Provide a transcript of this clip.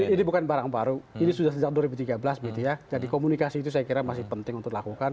ini bukan barang baru ini sudah sejak dua ribu tiga belas jadi komunikasi itu saya kira masih penting untuk dilakukan